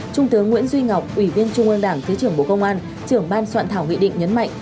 trung tướng nguyễn duy ngọc ủy viên trung ương đảng thứ trưởng bộ công an trưởng ban soạn thảo nghị định nhấn mạnh